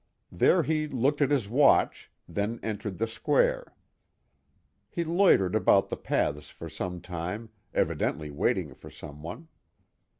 There he looked at his watch, then entered the square. He loitered about the paths for some time, evidently waiting for someone.